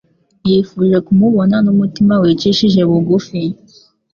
Yifuje kumubona n'umutima wicishije bugufi